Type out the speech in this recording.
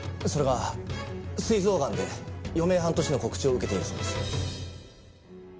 それがすい臓がんで余命半年の告知を受けているそうです。